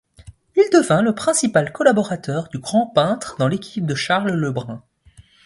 Il devint le principal collaborateur du grand peintre dans l'équipe de Charles Le Brun.